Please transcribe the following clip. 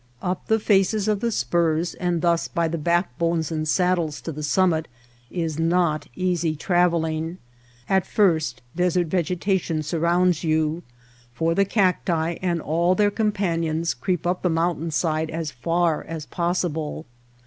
Up the faces of the spurs and thus by the backbones and saddles to the summit is not easy travelling. At first desert vegetation sur rounds you, for the cacti and all their compan ions creep up the mountain side as far as possi ble.